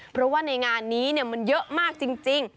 เพราะว่าในงานนี้มันเยอะมากจริง